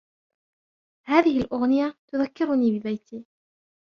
هذه الأغنية تذكرني ببيتي.